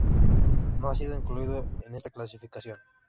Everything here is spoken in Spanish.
No ha sido incluido en esta clasificación